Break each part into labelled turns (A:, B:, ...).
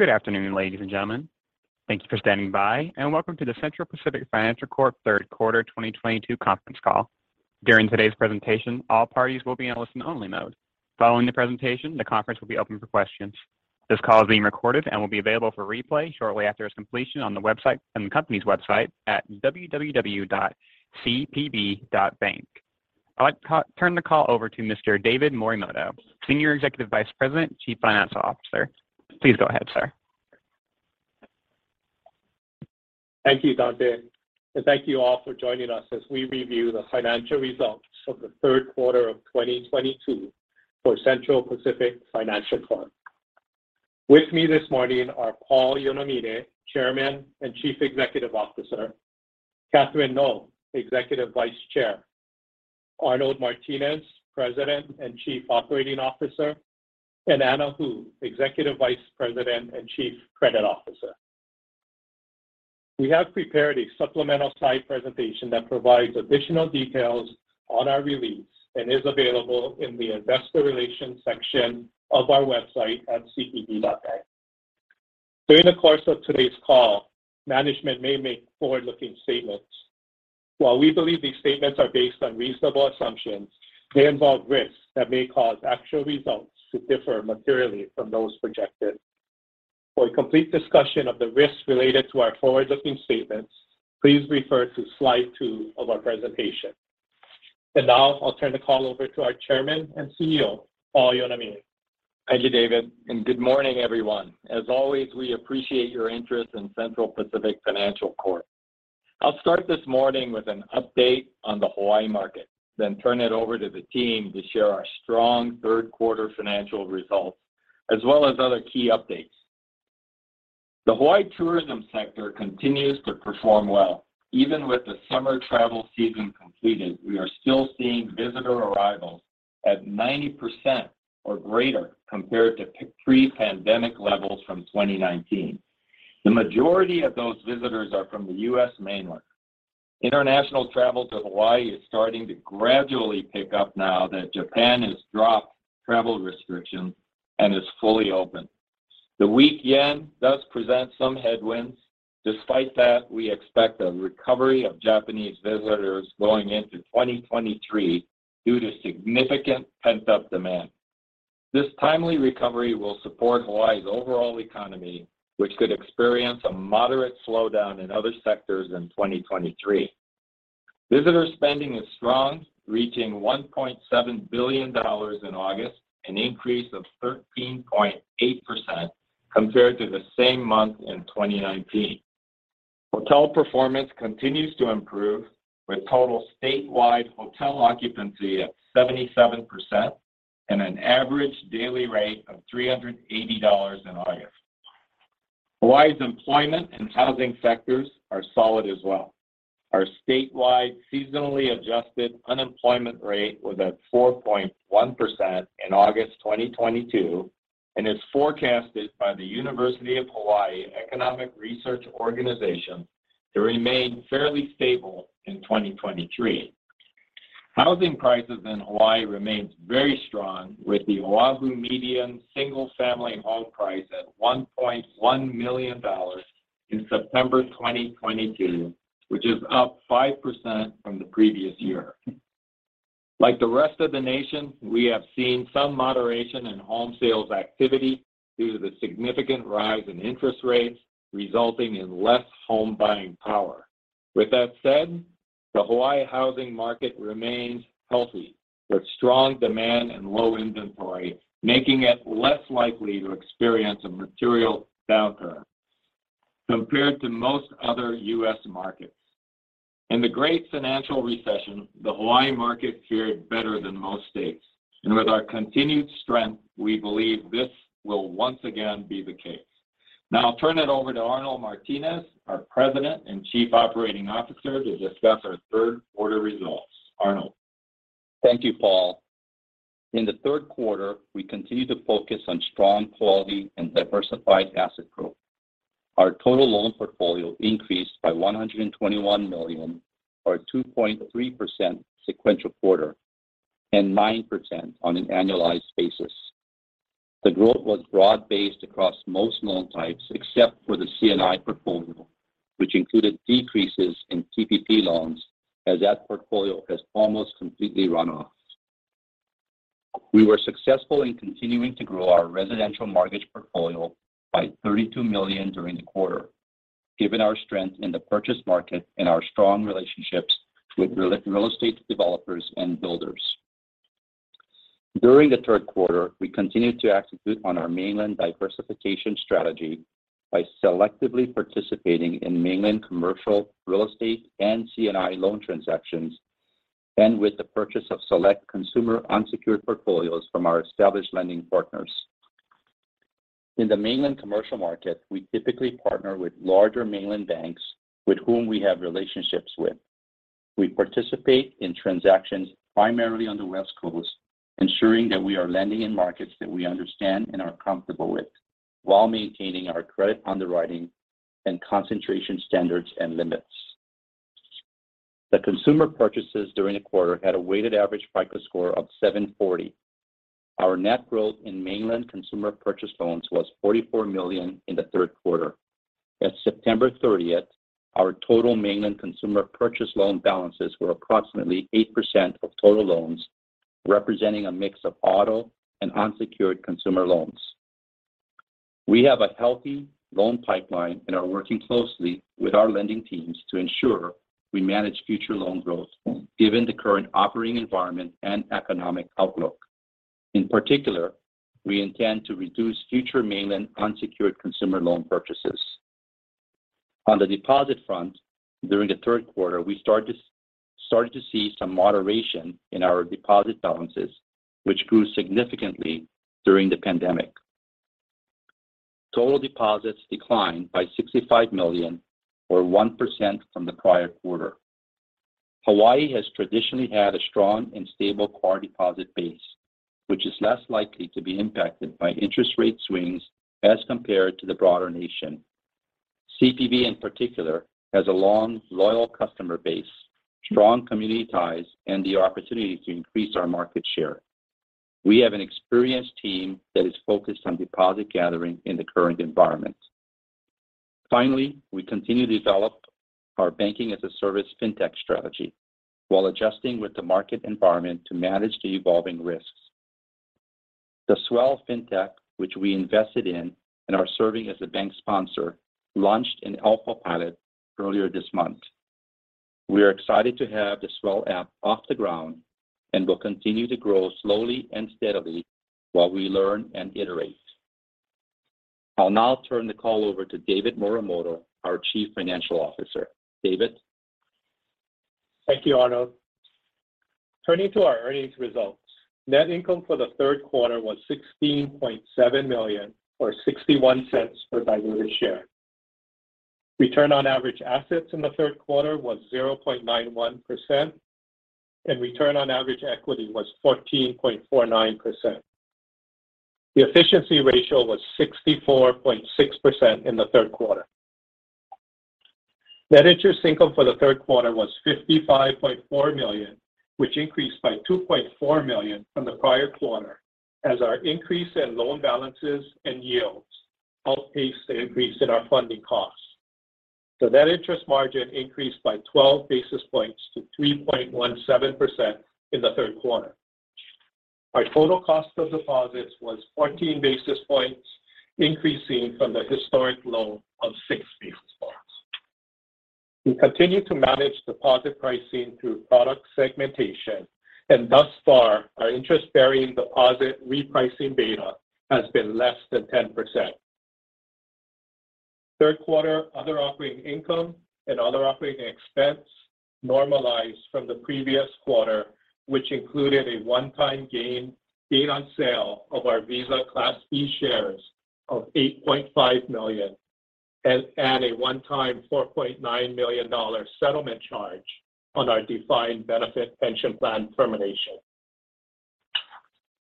A: Good afternoon, ladies and gentlemen. Thank you for standing by, and welcome to the Central Pacific Financial Corp. third quarter 2022 conference call. During today's presentation, all parties will be in a listen only mode. Following the presentation, the conference will be open for questions. This call is being recorded and will be available for replay shortly after its completion on the company's website at www.cpb.bank. I'd like to turn the call over to Mr. David Morimoto, Senior Executive Vice President, Chief Financial Officer. Please go ahead, sir.
B: Thank you, Dante, and thank you all for joining us as we review the financial results for the third quarter of 2022 for Central Pacific Financial Corp. With me this morning are Paul Yonamine, Chairman and Chief Executive Officer, Catherine Ngo, Executive Vice Chair, Arnold Martines, President and Chief Operating Officer, and Anna Hu, Executive Vice President and Chief Credit Officer. We have prepared a supplemental slide presentation that provides additional details on our release and is available in the investor relations section of our website at cpb.bank. During the course of today's call, management may make forward-looking statements. While we believe these statements are based on reasonable assumptions, they involve risks that may cause actual results to differ materially from those projected. For a complete discussion of the risks related to our forward-looking statements, please refer to slide two of our presentation. Now I'll turn the call over to our Chairman and CEO, Paul Yonamine.
C: Thank you, David, and good morning, everyone. As always, we appreciate your interest in Central Pacific Financial Corp. I'll start this morning with an update on the Hawaii market, then turn it over to the team to share our strong third quarter financial results, as well as other key updates. The Hawaii tourism sector continues to perform well. Even with the summer travel season completed, we are still seeing visitor arrivals at 90% or greater compared to pre-pandemic levels from 2019. The majority of those visitors are from the U.S. mainland. International travel to Hawaii is starting to gradually pick up now that Japan has dropped travel restrictions and is fully open. The weak yen does present some headwinds. Despite that, we expect a recovery of Japanese visitors going into 2023 due to significant pent-up demand. This timely recovery will support Hawaiʻi's overall economy, which could experience a moderate slowdown in other sectors in 2023. Visitor spending is strong, reaching $1.7 billion in August, an increase of 13.8% compared to the same month in 2019. Hotel performance continues to improve with total statewide hotel occupancy at 77% and an average daily rate of $380 in August. Hawaiʻi's employment and housing sectors are solid as well. Our statewide seasonally adjusted unemployment rate was at 4.1% in August 2022 and is forecasted by the University of Hawaiʻi Economic Research Organization to remain fairly stable in 2023. Housing prices in Hawaiʻi remains very strong with the Oahu median single-family home price at $1.1 million in September 2022, which is up 5% from the previous year. Like the rest of the nation, we have seen some moderation in home sales activity due to the significant rise in interest rates, resulting in less home buying power. With that said, the Hawaii housing market remains healthy, with strong demand and low inventory making it less likely to experience a material downturn compared to most other U.S. markets. In the great financial recession, the Hawaii market fared better than most states, and with our continued strength, we believe this will once again be the case. Now I'll turn it over to Arnold Martines, our President and Chief Operating Officer to discuss our third quarter results. Arnold.
D: Thank you, Paul. In the third quarter, we continued to focus on strong quality and diversified asset growth. Our total loan portfolio increased by $121 million, or 2.3% sequential quarter, and 9% on an annualized basis. The growth was broad-based across most loan types, except for the C&I portfolio, which included decreases in PPP loans as that portfolio has almost completely run off. We were successful in continuing to grow our residential mortgage portfolio by $32 million during the quarter, given our strength in the purchase market and our strong relationships with real estate developers and builders. During the third quarter, we continued to execute on our mainland diversification strategy by selectively participating in mainland commercial real estate and C&I loan transactions and with the purchase of select consumer unsecured portfolios from our established lending partners. In the mainland commercial market, we typically partner with larger mainland banks with whom we have relationships with. We participate in transactions primarily on the West Coast, ensuring that we are lending in markets that we understand and are comfortable with while maintaining our credit underwriting and concentration standards and limits. The consumer purchases during the quarter had a weighted average FICO score of 740. Our net growth in mainland consumer purchase loans was $44 million in the third quarter. At September 30, our total mainland consumer purchase loan balances were approximately 8% of total loans, representing a mix of auto and unsecured consumer loans. We have a healthy loan pipeline and are working closely with our lending teams to ensure we manage future loan growth, given the current operating environment and economic outlook. In particular, we intend to reduce future mainland unsecured consumer loan purchases. On the deposit front, during the third quarter, we started to see some moderation in our deposit balances, which grew significantly during the pandemic. Total deposits declined by $65 million or 1% from the prior quarter. Hawaii has traditionally had a strong and stable core deposit base, which is less likely to be impacted by interest rate swings as compared to the broader nation. CPB, in particular, has a long, loyal customer base, strong community ties, and the opportunity to increase our market share. We have an experienced team that is focused on deposit gathering in the current environment. Finally, we continue to develop our banking-as-a-service fintech strategy while adjusting with the market environment to manage the evolving risks. The Swell fintech, which we invested in and are serving as the bank sponsor, launched an alpha pilot earlier this month. We are excited to have the Swell app off the ground and will continue to grow slowly and steadily while we learn and iterate. I'll now turn the call over to David Morimoto, our Chief Financial Officer. David?
B: Thank you, Arnold. Turning to our earnings results, net income for the third quarter was $16.7 million or $0.61 per diluted share. Return on average assets in the third quarter was 0.91%, and return on average equity was 14.49%. The efficiency ratio was 64.6% in the third quarter. Net interest income for the third quarter was $55.4 million, which increased by $2.4 million from the prior quarter, as our increase in loan balances and yields outpaced the increase in our funding costs. The net interest margin increased by 12 basis points to 3.17% in the third quarter. Our total cost of deposits was 14 basis points, increasing from the historic low of six basis points. We continue to manage deposit pricing through product segmentation, and thus far, our interest-bearing deposit repricing beta has been less than 10%. Third quarter, other operating income and other operating expense normalized from the previous quarter, which included a one-time gain on sale of our Visa Class B shares of $8.5 million, and a one-time $4.9 million settlement charge on our defined benefit pension plan termination.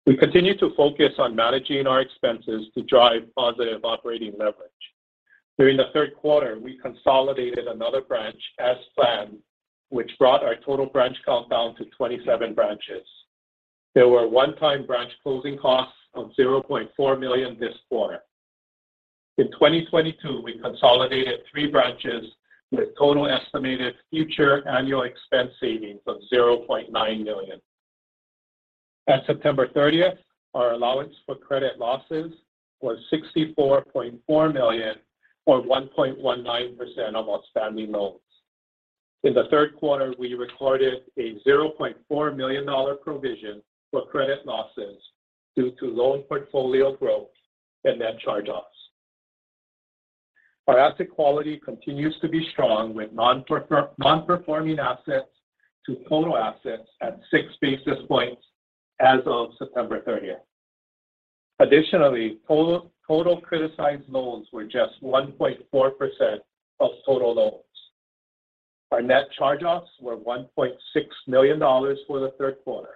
B: We continue to focus on managing our expenses to drive positive operating leverage. During the third quarter, we consolidated another branch as planned, which brought our total branch count down to 27 branches. There were one-time branch closing costs of $0.4 million this quarter. In 2022, we consolidated 3 branches with total estimated future annual expense savings of $0.9 million. At September thirtieth, our allowance for credit losses was $64.4 million or 1.19% of outstanding loans. In the third quarter, we recorded a $0.4 million provision for credit losses due to loan portfolio growth and net charge-offs. Our asset quality continues to be strong with non-performing assets to total assets at 6 basis points as of September thirtieth. Additionally, total criticized loans were just 1.4% of total loans. Our net charge-offs were $1.6 million for the third quarter.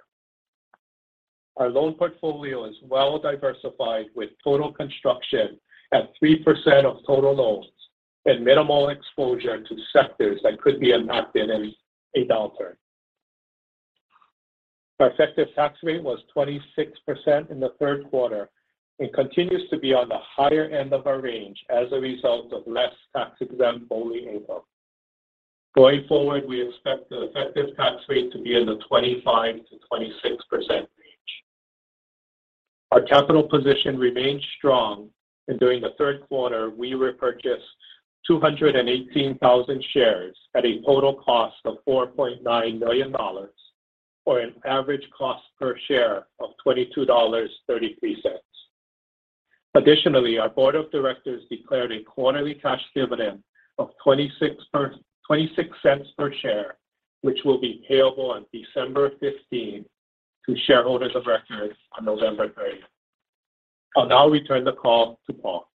B: Our loan portfolio is well-diversified, with total construction at 3% of total loans and minimal exposure to sectors that could be impacted in a downturn. Our effective tax rate was 26% in the third quarter and continues to be on the higher end of our range as a result of less tax-exempt only income. Going forward, we expect the effective tax rate to be in the 25%-26% range. Our capital position remains strong, and during the third quarter, we repurchased 218,000 shares at a total cost of $4.9 million, or an average cost per share of $22.33. Additionally, our board of directors declared a quarterly cash dividend of $0.26 per share, which will be payable on December fifteenth to shareholders of record on November thirtieth. I'll now return the call to Paul.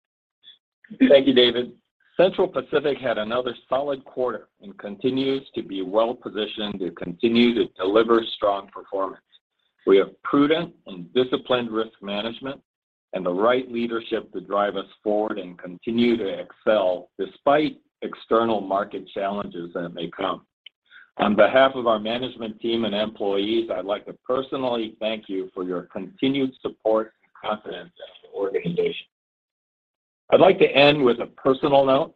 D: Thank you, David. Central Pacific had another solid quarter and continues to be well-positioned to continue to deliver strong performance.
C: We have prudent and disciplined risk management and the right leadership to drive us forward and continue to excel despite external market challenges that may come. On behalf of our management team and employees, I'd like to personally thank you for your continued support and confidence in our organization. I'd like to end with a personal note.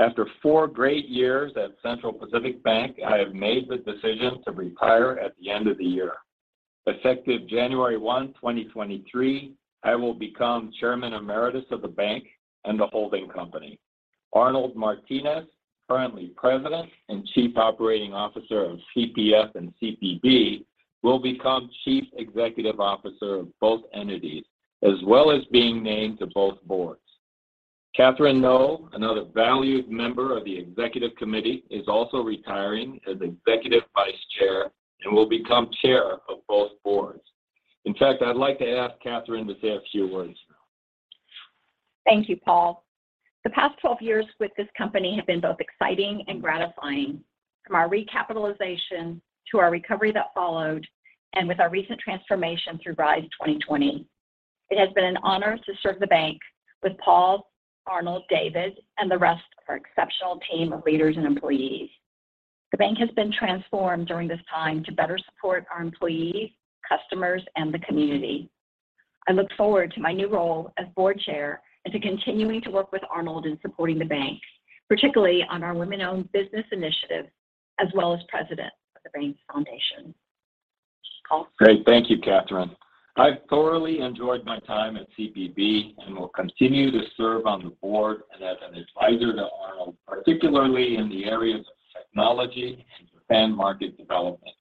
C: After four great years at Central Pacific Bank, I have made the decision to retire at the end of the year. Effective January 1, 2023, I will become Chairman Emeritus of the bank and the holding company. Arnold Martines, currently President and Chief Operating Officer of CPF and CPB, will become Chief Executive Officer of both entities, as well as being named to both boards. Catherine Ngo, another valued member of the executive committee, is also retiring as Executive Vice Chair and will become Chair of both boards. In fact, I'd like to ask Catherine to say a few words now.
E: Thank you, Paul. The past 12 years with this company have been both exciting and gratifying, from our recapitalization to our recovery that followed, and with our recent transformation through RISE 2020. It has been an honor to serve the bank with Paul, Arnold, David, and the rest of our exceptional team of leaders and employees. The bank has been transformed during this time to better support our employees, customers, and the community. I look forward to my new role as Board Chair and to continuing to work with Arnold in supporting the bank, particularly on our women-owned business initiative, as well as President of the Central Pacific Bank Foundation. Paul?
C: Great. Thank you, Catherine. I've thoroughly enjoyed my time at CPB and will continue to serve on the board and as an advisor to Arnold, particularly in the areas of technology and market development.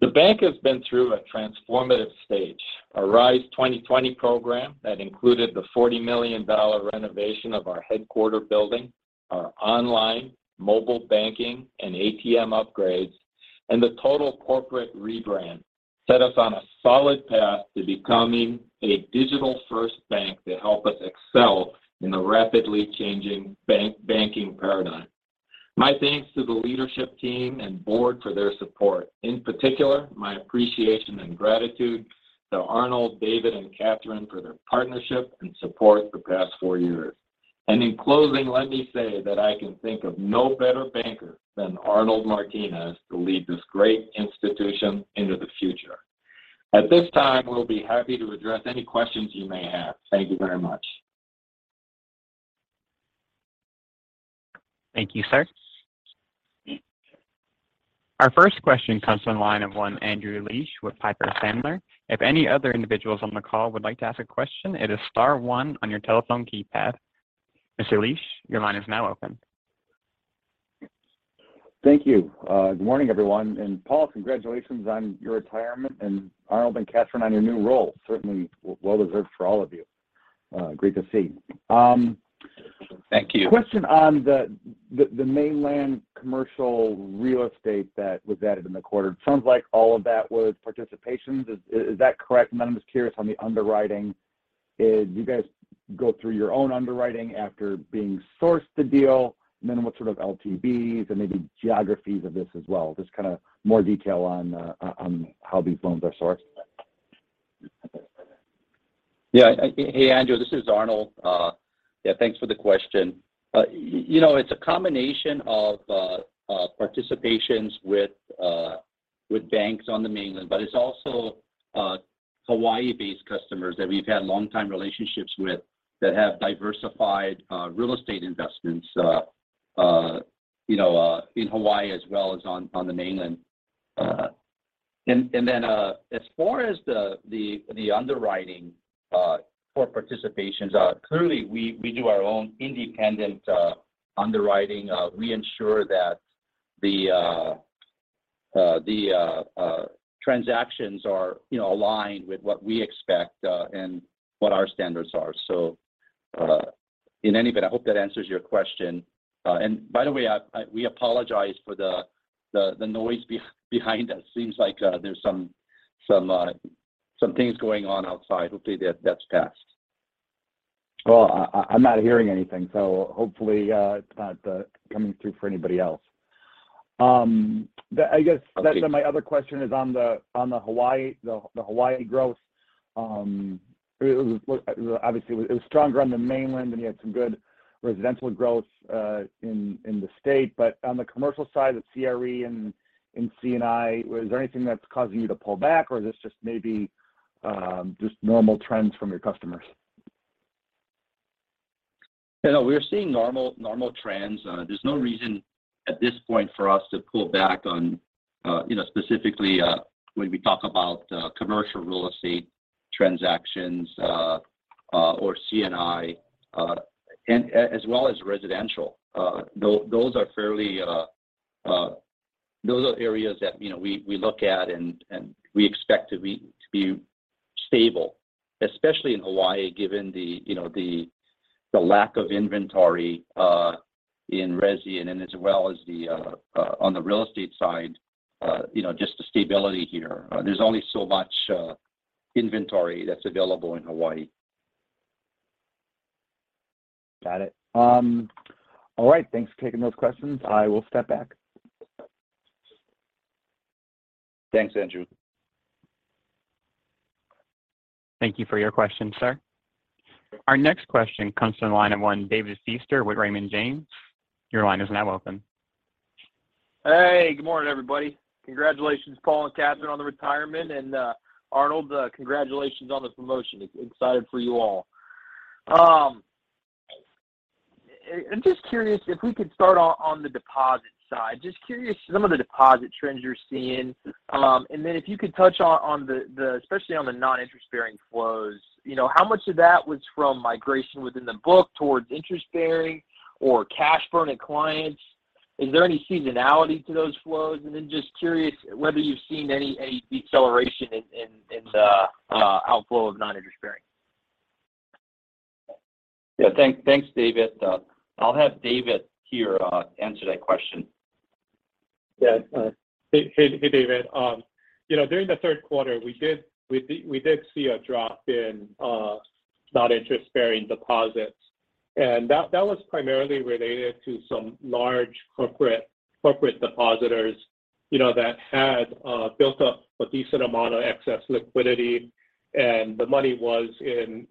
C: The bank has been through a transformative stage. Our RISE 2020 program that included the $40 million renovation of our headquarters building, our online mobile banking and ATM upgrades, and the total corporate rebrand set us on a solid path to becoming a digital-first bank to help us excel in the rapidly changing banking paradigm. My thanks to the leadership team and board for their support. In particular, my appreciation and gratitude to Arnold, David, and Catherine for their partnership and support the past four years. In closing, let me say that I can think of no better banker than Arnold Martines to lead this great institution into the future. At this time, we'll be happy to address any questions you may have. Thank you very much.
A: Thank you, sir. Our first question comes from the line of one Andrew Liesch with Piper Sandler. If any other individuals on the call would like to ask a question, it is star one on your telephone keypad. Mr. Liesch, your line is now open.
F: Thank you. Good morning, everyone. Paul, congratulations on your retirement, and Arnold and Catherine, on your new role. Certainly well deserved for all of you. Great to see.
C: Thank you.
F: Question on the mainland commercial real estate that was added in the quarter. It sounds like all of that was participations. Is that correct? And then I'm just curious on the underwriting. You guys go through your own underwriting after being sourced the deal? And then what sort of LTVs and maybe geographies of this as well. Just kind of more detail on how these loans are sourced.
D: Hey Andrew Liesch, this is Arnold Martines. Thanks for the question. You know, it's a combination of participations with banks on the mainland, but it's also Hawaii-based customers that we've had longtime relationships with that have diversified real estate investments, you know, in Hawaii as well as on the mainland. Then, as far as the underwriting for participations, clearly we do our own independent underwriting. We ensure that the transactions are, you know, aligned with what we expect and what our standards are. In any event, I hope that answers your question. And by the way, we apologize for the noise behind us.
C: Seems like there's some things going on outside. Hopefully that's passed.
F: Well, I'm not hearing anything, so hopefully it's not coming through for anybody else. I guess that then my other question is on the Hawaii growth. Well, obviously it was stronger on the mainland, and you had some good residential growth in the state. On the commercial side with CRE and C&I, was there anything that's causing you to pull back, or is this just maybe just normal trends from your customers?
D: You know, we're seeing normal trends. There's no reason at this point for us to pull back on, you know, specifically, when we talk about commercial real estate transactions or C&I, and as well as residential. Those are areas that, you know, we look at and we expect to be stable, especially in Hawaii, given the, you know, the lack of inventory in resi and then as well as the on the real estate side, you know, just the stability here. There's only so much inventory that's available in Hawaii.
F: Got it. All right, thanks for taking those questions. I will step back.
C: Thanks, Andrew.
A: Thank you for your question, sir. Our next question comes from the line of David Feaster with Raymond James. Your line is now open.
G: Hey. Good morning, everybody. Congratulations, Paul and Catherine, on the retirement. Arnold, congratulations on the promotion. Excited for you all. I'm just curious if we could start on the deposit side. Just curious some of the deposit trends you're seeing. Then if you could touch on especially the non-interest-bearing flows. You know, how much of that was from migration within the book towards interest-bearing or cash burn at clients? Is there any seasonality to those flows? Then just curious whether you've seen any deceleration in the outflow of non-interest-bearing.
C: Thanks, David. I'll have David here answer that question.
B: Yeah. Hey, David. You know, during the third quarter we did see a drop in non-interest bearing deposits, and that was primarily related to some large corporate depositors, you know, that had built up a decent amount of excess liquidity. The money was in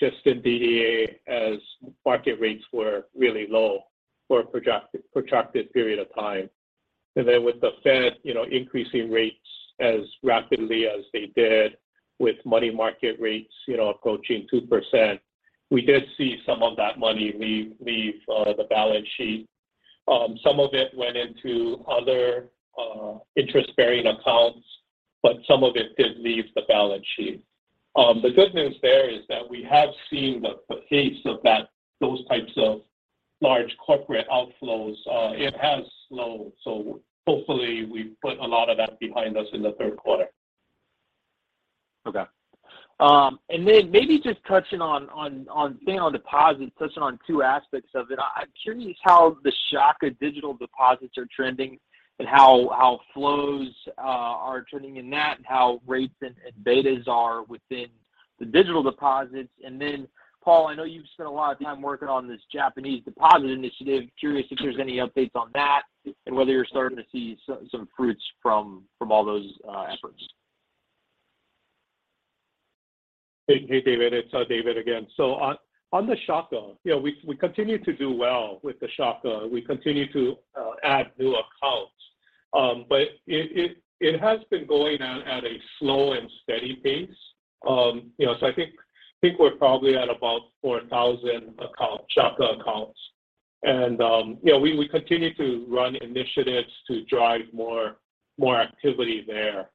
B: just in DDA as market rates were really low for a protracted period of time. Then with the Fed, you know, increasing rates as rapidly as they did with money market rates, you know, approaching 2%, we did see some of that money leave the balance sheet. Some of it went into other interest-bearing accounts, but some of it did leave the balance sheet. The good news there is that we have seen the pace of that, those types of large corporate outflows, it has slowed. Hopefully we've put a lot of that behind us in the third quarter.
G: Okay. Maybe just touching on, you know, deposits, touching on two aspects of it. I'm curious how the Shaka digital deposits are trending and how flows are trending in that and how rates and betas are within the digital deposits. Paul, I know you've spent a lot of time working on this Japanese deposit initiative. Curious if there's any updates on that and whether you're starting to see some fruits from all those efforts.
B: Hey, hey, David, it's David again. On the Shaka, you know, we continue to do well with the Shaka. We continue to add new accounts. You know, I think we're probably at about 4,000 Shaka accounts. You know, we continue to run initiatives to drive more activity there.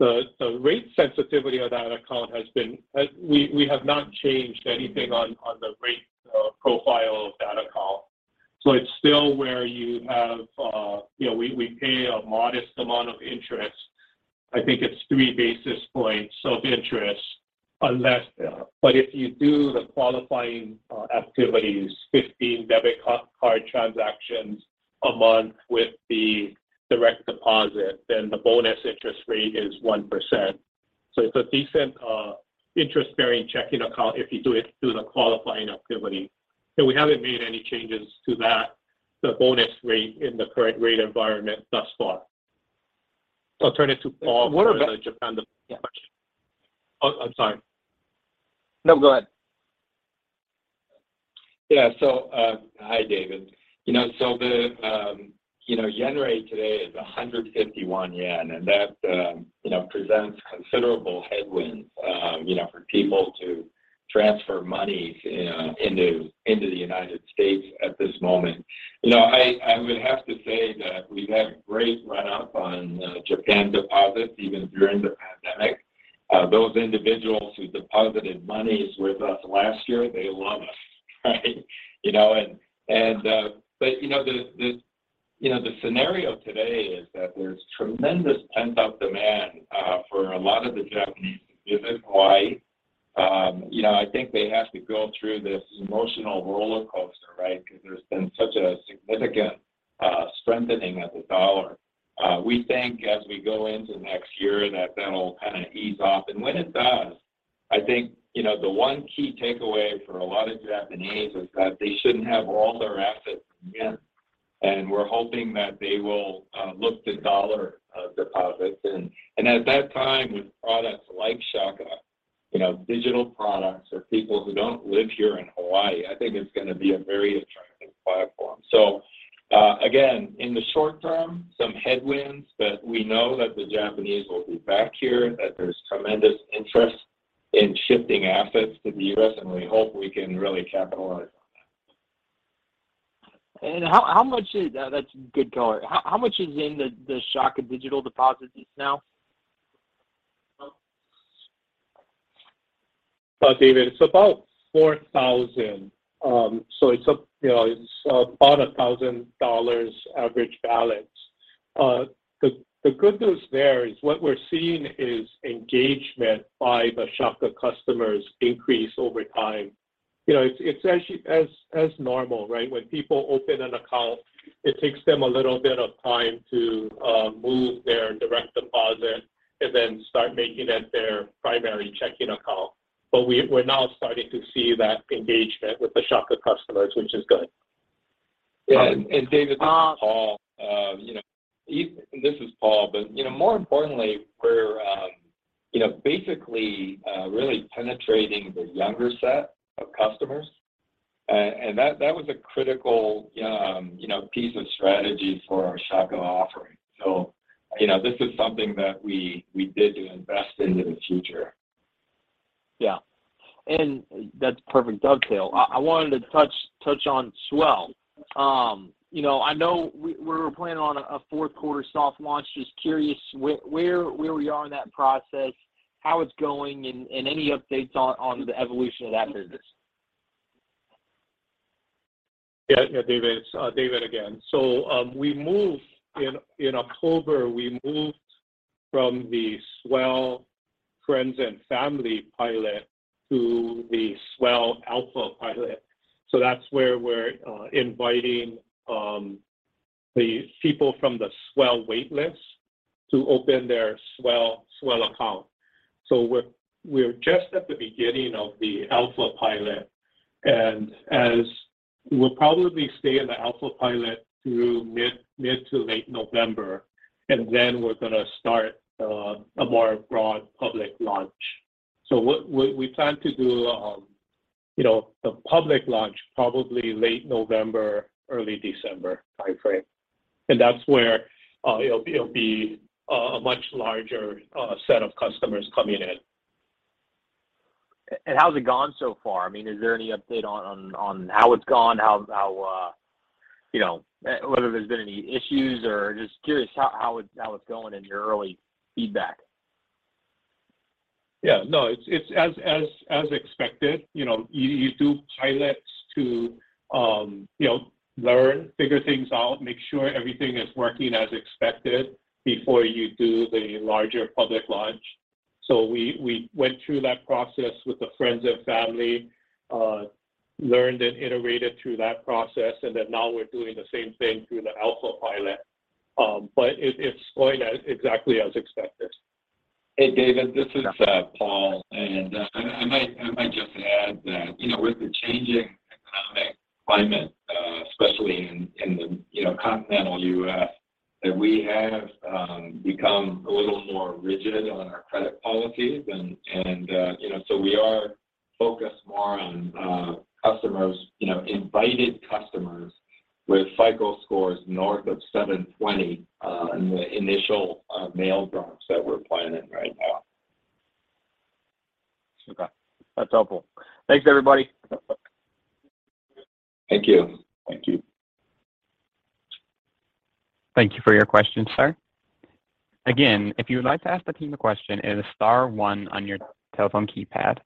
B: The rate sensitivity of that account has been. We have not changed anything on the rate profile of that account. It's still where you have, you know, we pay a modest amount of interest. I think it's three basis points of interest, but if you do the qualifying activities, 15 debit card transactions a month with the direct deposit, then the bonus interest rate is 1%. It's a decent interest-bearing checking account if you do it through the qualifying activity. We haven't made any changes to that, the bonus rate in the current rate environment thus far. I'll turn it to Paul for the Japan deposit question.
G: Yeah.
B: Oh, I'm sorry.
G: No, go ahead.
C: Hi, David. You know, the yen rate today is 151 yen, and that you know, presents considerable headwinds you know, for people to transfer money into the United States at this moment. You know, I would have to say that we've had great run-up on Japan deposits even during the pandemic. Those individuals who deposited monies with us last year, they love us, right? You know, the scenario today is that there's tremendous pent-up demand for a lot of the Japanese to visit Hawaii. You know, I think they have to go through this emotional roller coaster, right? Because there's been such a significant strengthening of the dollar. We think as we go into next year that that'll kind of ease off. When it does, I think, you know, the one key takeaway for a lot of Japanese is that they shouldn't have all their assets in yen, and we're hoping that they will look to dollar deposits. At that time, with products like Shaka, you know, digital products or people who don't live here in Hawaii, I think it's gonna be a very attractive platform. Again, in the short term, some headwinds, but we know that the Japanese will be back here, that there's tremendous interest in shifting assets to the U.S., and we hope we can really capitalize on that.
G: That's good color. How much is in the Shaka digital deposits now?
B: Well, David, it's about $4,000. You know, it's about $1,000 average balance. The good news there is what we're seeing is engagement by the Shaka customers increase over time. You know, it's actually as normal, right? When people open an account, it takes them a little bit of time to move their direct deposit. Then start making it their primary checking account. We're now starting to see that engagement with the Shaka customers, which is good.
C: Yeah. David, this is Paul. More importantly, we're, you know, basically really penetrating the younger set of customers. That was a critical, you know, piece of strategy for our Shaka offering. You know, this is something that we did to invest into the future.
G: That's a perfect dovetail. I wanted to touch on Swell. You know, I know we're planning on a fourth quarter soft launch. Just curious where we are in that process, how it's going, and any updates on the evolution of that business.
B: Yeah, David. It's David again. In October, we moved from the Swell friends and family pilot to the Swell alpha pilot. So that's where we're inviting the people from the Swell wait list to open their Swell account. So we're just at the beginning of the alpha pilot, and we'll probably stay in the alpha pilot through mid- to late November, and then we're gonna start a more broad public launch. So what we plan to do, you know, the public launch probably late November, early December timeframe. That's where it'll be a much larger set of customers coming in.
G: How's it gone so far? I mean, is there any update on how it's gone? How, you know, whether there's been any issues or just curious how it's going in your early feedback.
B: Yeah. No, it's as expected. You know, you do pilots to you know, learn, figure things out, make sure everything is working as expected before you do the larger public launch. We went through that process with the friends and family, learned and iterated through that process, and then now we're doing the same thing through the alpha pilot. It's going as exactly as expected.
C: Hey, David, this is Paul. I might just add that, you know, with the changing economic climate, especially in the, you know, continental U.S., that we have become a little more rigid on our credit policies. You know, we are focused more on customers, you know, invited customers with FICO scores north of 720 in the initial mail drops that we're planning right now.
G: Okay. That's helpful. Thanks, everybody.
C: Thank you.
B: Thank you.
A: Thank you for your question, sir. Again, if you would like to ask the team a question, it is star one on your telephone keypad.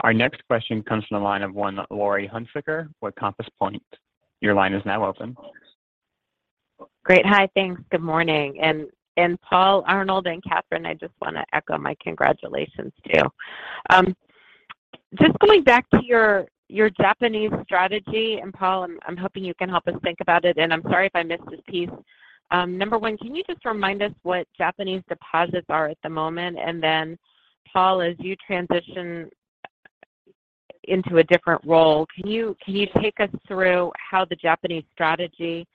A: Our next question comes from the line of Laurie Hunsicker with Compass Point. Your line is now open.
H: Great. Hi. Thanks. Good morning. Paul, Arnold, and Catherine, I just wanna echo my congratulations too. Just going back to your Japanese strategy, Paul, I'm hoping you can help us think about it, and I'm sorry if I missed this piece. Number one, can you just remind us what Japanese deposits are at the moment? Then Paul, as you transition into a different role, can you take us through how the Japanese strategy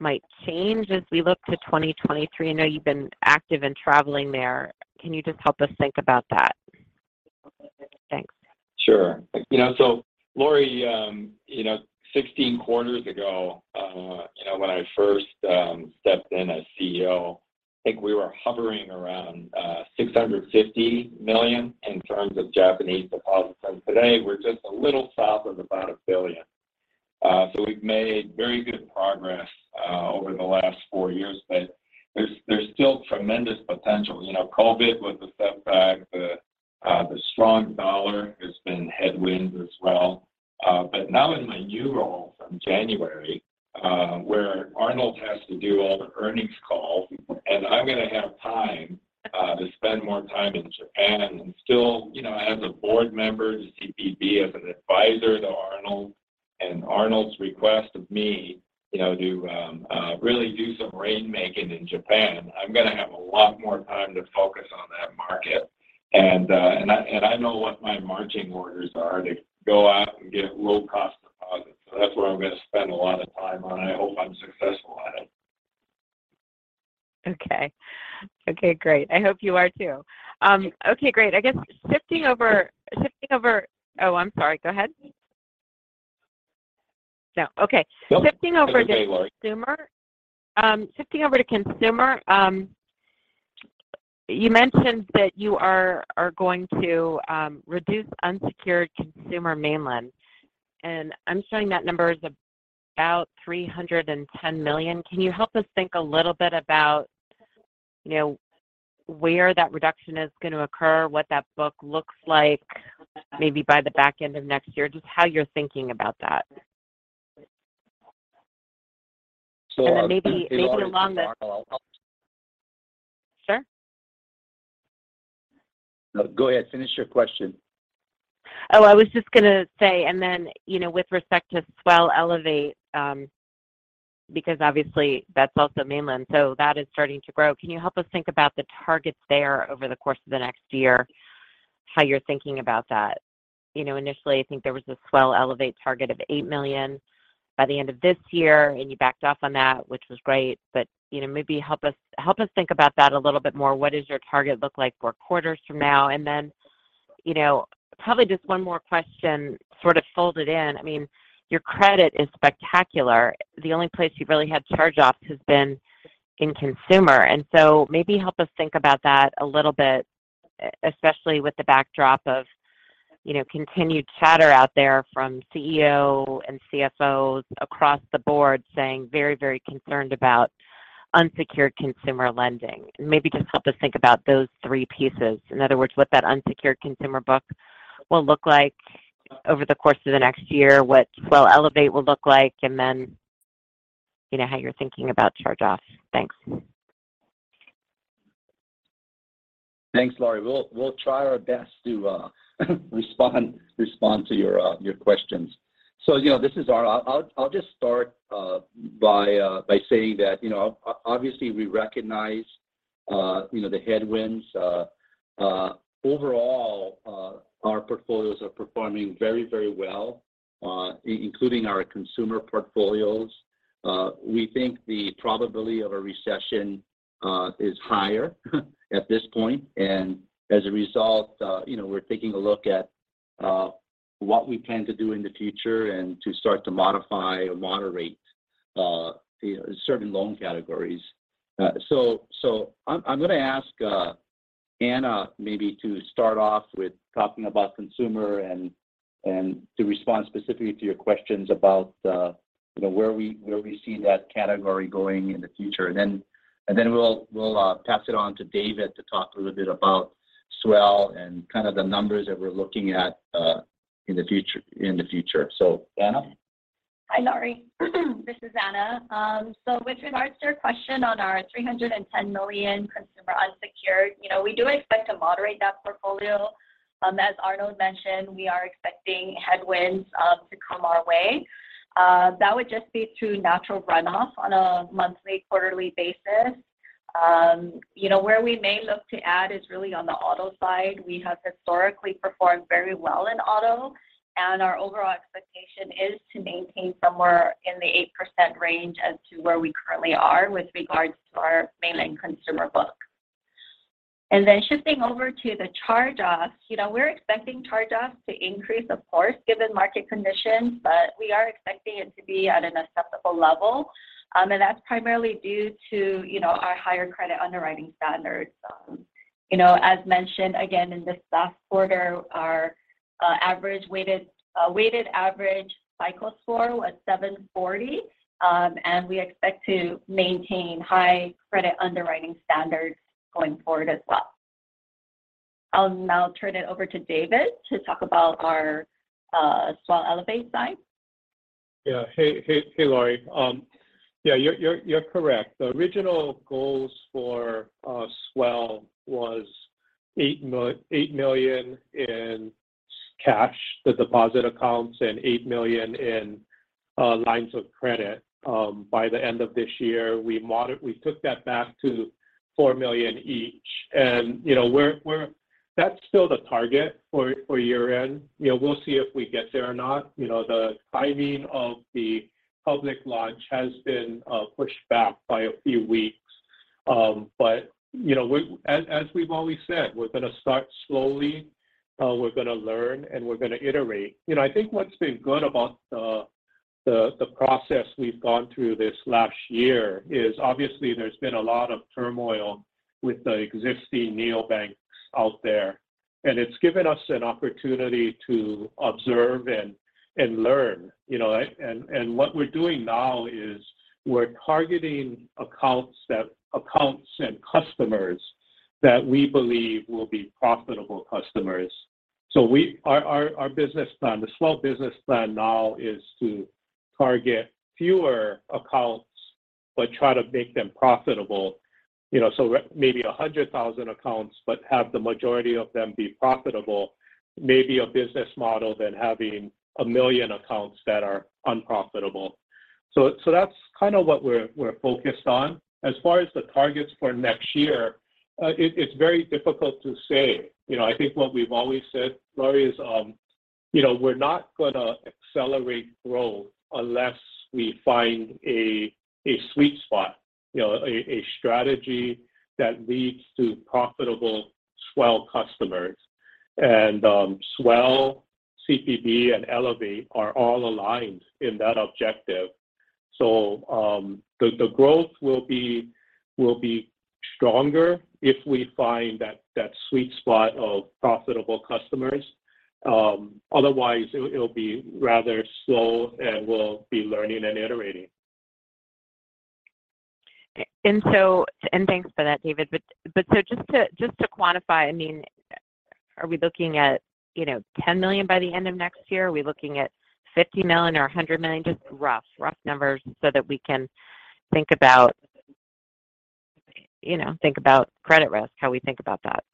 H: might change as we look to 2023? I know you've been active in traveling there. Can you just help us think about that? Thanks.
C: Sure. You know, Laurie, 16 quarters ago, when I first stepped in as chief executive officer, I think we were hovering around $650 million in terms of Japanese deposits. Today, we're just a little south of about $1 billion. We've made very good progress over the last four years, but there's still tremendous potential. You know, COVID was a setback. The strong dollar has been headwinds as well. Now in my new role from January, where Arnold has to do all the earnings calls, and I'm gonna have time to spend more time in Japan and still, you know, as a board member to CPB, as an advisor to Arnold. Arnold's request of me, you know, to really do some rainmaking in Japan, I'm gonna have a lot more time to focus on that market. I know what my marching orders are, to go out and get low-cost deposits. That's where I'm gonna spend a lot of time on. I hope I'm successful at it.
H: Okay. Okay, great. I hope you are too. Okay, great. I guess shifting over. Oh, I'm sorry. Go ahead. No. Okay.
C: Nope. Keep going, Lori.
H: Shifting over to consumer, you mentioned that you are going to reduce unsecured consumer mainland. I'm showing that number is about $310 million. Can you help us think a little bit about, you know, where that reduction is gonna occur, what that book looks like maybe by the back end of next year, just how you're thinking about that?
C: So, uh-
H: Maybe.
C: Laurie, I'll
H: Sure
D: No, go ahead. Finish your question.
H: Oh, I was just gonna say, you know, with respect to Swell, Elevate, because obviously that's also mainland, so that is starting to grow. Can you help us think about the targets there over the course of the next year, how you're thinking about that? You know, initially I think there was a Swell, Elevate target of 8 million by the end of this year, and you backed off on that, which was great. You know, maybe help us think about that a little bit more. What does your target look like four quarters from now? You know, probably just one more question sort of folded in. I mean, your credit is spectacular. The only place you've really had charge-offs has been in consumer. Maybe help us think about that a little bit, especially with the backdrop of, you know, continued chatter out there from chief executive officer and CFOs across the board saying very, very concerned about unsecured consumer lending. Maybe just help us think about those three pieces. In other words, what that unsecured consumer book will look like over the course of the next year, what Swell, Elevate will look like, and then, you know, how you're thinking about charge-offs. Thanks.
D: Thanks, Laurie. We'll try our best to respond to your questions. I'll just start by saying that, you know, obviously we recognize, you know, the headwinds. Overall, our portfolios are performing very well, including our consumer portfolios. We think the probability of a recession is higher at this point. As a result, you know, we're taking a look at what we plan to do in the future and to start to modify or moderate, you know, certain loan categories. I'm gonna ask Anna maybe to start off with talking about consumer and to respond specifically to your questions about, you know, where we see that category going in the future. We'll pass it on to David to talk a little bit about Swell and kind of the numbers that we're looking at in the future. Anna?
I: Hi, Laurie. This is Anna. So with regards to your question on our $310 million consumer unsecured, you know, we do expect to moderate that portfolio. As Arnold mentioned, we are expecting headwinds to come our way. That would just be through natural runoff on a monthly, quarterly basis. You know, where we may look to add is really on the auto side. We have historically performed very well in auto, and our overall expectation is to maintain somewhere in the 8% range as to where we currently are with regards to our mainland consumer book. Then shifting over to the charge-offs, you know, we're expecting charge-offs to increase of course, given market conditions, but we are expecting it to be at an acceptable level. That's primarily due to, you know, our higher credit underwriting standards. You know, as mentioned again in this last quarter, our weighted average FICO score was 740, and we expect to maintain high credit underwriting standards going forward as well. I'll now turn it over to David to talk about our Swell Elevate side.
B: Yeah. Hey, Laurie. Yeah, you're correct. The original goals for Swell was $8 million in cash, the deposit accounts, and $8 million in lines of credit. By the end of this year, we took that back to $4 million each. You know, we're. That's still the target for year-end. You know, we'll see if we get there or not. You know, the timing of the public launch has been pushed back by a few weeks. You know, as we've always said, we're gonna start slowly, we're gonna learn, and we're gonna iterate. You know, I think what's been good about the process we've gone through this last year is obviously there's been a lot of turmoil with the existing neobanks out there, and it's given us an opportunity to observe and learn, you know. What we're doing now is we're targeting accounts and customers that we believe will be profitable customers. Our business plan, the Swell business plan now is to target fewer accounts but try to make them profitable. You know, maybe 100,000 accounts, but have the majority of them be profitable rather than having 1 million accounts that are unprofitable. That's kind of what we're focused on. As far as the targets for next year, it's very difficult to say. You know, I think what we've always said, Laurie, is, you know, we're not gonna accelerate growth unless we find a sweet spot, you know, a strategy that leads to profitable Swell customers. Swell, CPB, and Elevate are all aligned in that objective. The growth will be stronger if we find that sweet spot of profitable customers. Otherwise it'll be rather slow, and we'll be learning and iterating.
H: Thanks for that, David. But so just to quantify, I mean, are we looking at, you know, $10 million by the end of next year? Are we looking at $50 million or $100 million? Just rough numbers so that we can think about credit risk, how we think about that.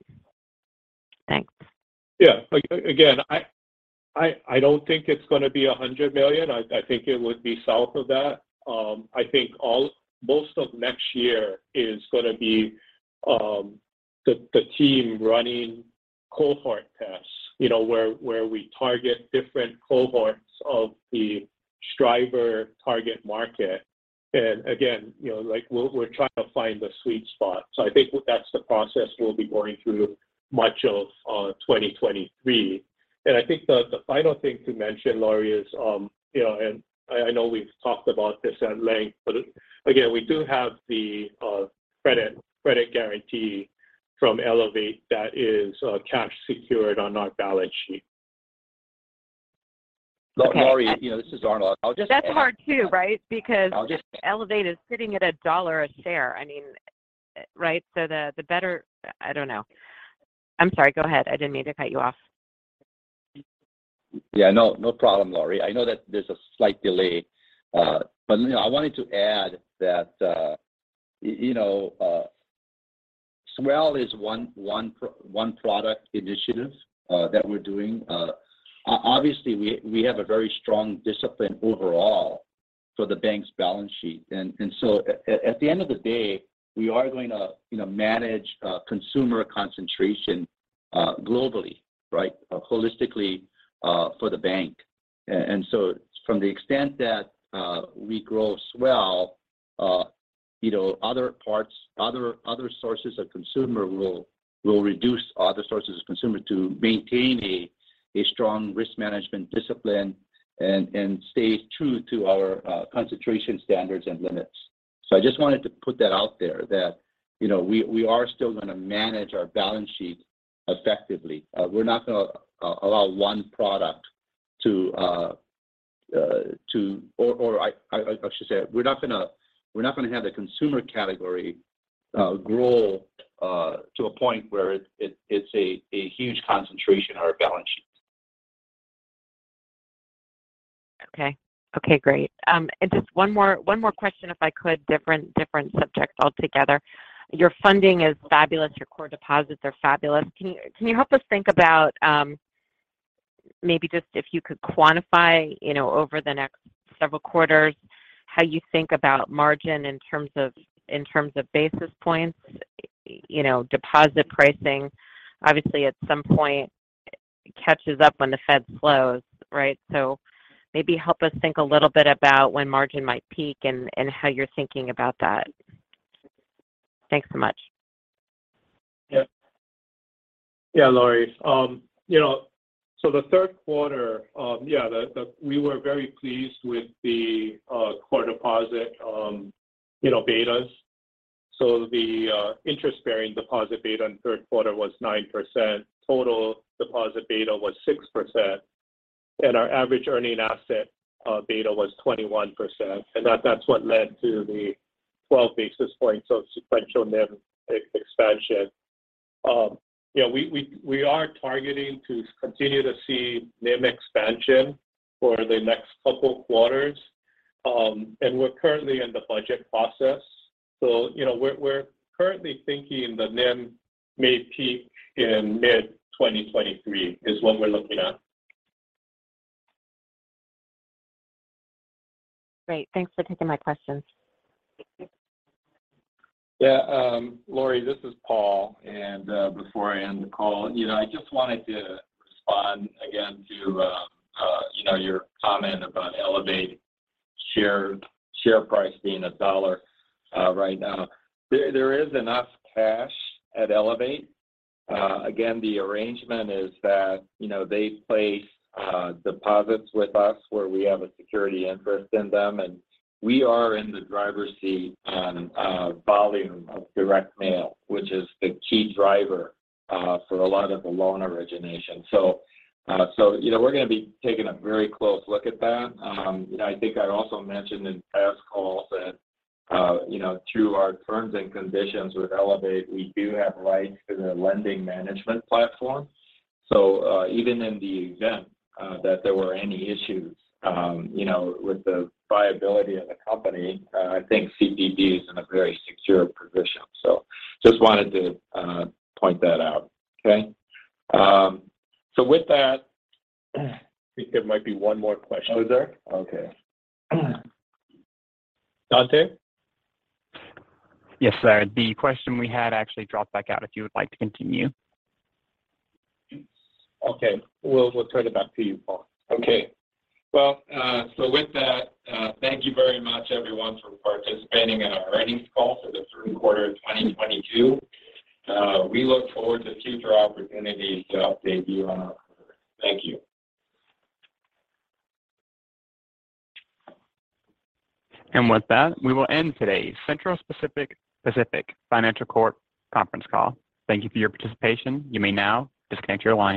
H: Thanks.
B: Yeah. Again, I don't think it's gonna be $100 million. I think it would be south of that. I think most of next year is gonna be the team running cohort tests, you know, where we target different cohorts of the Striver target market. Again, you know, like we're trying to find the sweet spot. I think that's the process we'll be going through much of 2023. I think the final thing to mention, Laurie, is you know, and I know we've talked about this at length, but again, we do have the credit guarantee from Elevate that is cash secured on our balance sheet.
H: Okay.
D: Laurie, you know, this is Arnold. I'll just add.
H: That's hard too, right?
D: I'll just.
H: Elevate is sitting at $1 a share. I mean. Right? The better. I don't know. I'm sorry. Go ahead. I didn't mean to cut you off.
D: Yeah. No problem, Laurie. I know that there's a slight delay. You know, I wanted to add that Swell is one product initiative that we're doing. Obviously, we have a very strong discipline overall for the bank's balance sheet. At the end of the day, we are going to, you know, manage consumer concentration globally, right? Holistically for the bank. To the extent that we grow Swell, you know, other sources of consumer will reduce other sources of consumer to maintain a strong risk management discipline and stay true to our concentration standards and limits. I just wanted to put that out there that, you know, we are still gonna manage our balance sheet effectively. I should say, we're not gonna have the consumer category grow to a point where it's a huge concentration on our balance sheet.
H: Okay. Okay, great. Just one more question, if I could. Different subject altogether. Your funding is fabulous. Your core deposits are fabulous. Can you help us think about maybe just if you could quantify, you know, over the next several quarters how you think about margin in terms of basis points? You know, deposit pricing, obviously at some point it catches up when the Fed slows, right? Maybe help us think a little bit about when margin might peak and how you're thinking about that. Thanks so much.
B: Yeah, Laurie. You know, the third quarter, we were very pleased with the core deposit, you know, betas. The interest-bearing deposit beta in third quarter was 9%, total deposit beta was 6%, and our average earning asset beta was 21%. That's what led to the 12 basis points of sequential NIM expansion. We are targeting to continue to see NIM expansion for the next couple quarters. We're currently in the budget process. We're currently thinking that NIM may peak in mid-2023, is what we're looking at.
H: Great. Thanks for taking my questions.
C: Yeah. Laurie, this is Paul. Before I end the call, you know, I just wanted to respond again to, you know, your comment about Elevate share price being $1 right now. There is enough cash at Elevate. Again, the arrangement is that, you know, they place deposits with us where we have a security interest in them, and we are in the driver's seat on volume of direct mail, which is the key driver for a lot of the loan origination. You know, we're gonna be taking a very close look at that. You know, I think I also mentioned in past calls that, you know, through our terms and conditions with Elevate, we do have rights to their lending management platform. Even in the event that there were any issues, you know, with the viability of the company, I think CPB is in a very secure position. Just wanted to point that out. Okay? With that, I think there might be one more question. Oh, is there? Okay. Dante?
A: Yes, sir. The question we had actually dropped back out, if you would like to continue.
B: Okay. We'll turn it back to you, Paul.
C: Okay. Well, with that, thank you very much everyone for participating in our earnings call for the third quarter of 2022. We look forward to future opportunities to update you on our progress. Thank you.
A: With that, we will end today's Central Pacific Financial Corp. conference call. Thank you for your participation. You may now disconnect your lines.